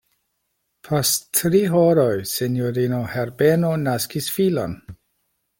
Post tri horoj, sinjorino Herbeno naskis filon.